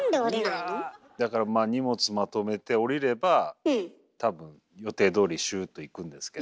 いやだからまあ荷物まとめて降りれば多分予定どおりシューッといくんですけど。